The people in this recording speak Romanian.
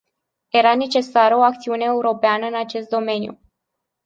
Era necesară o acțiune europeană în acest domeniu.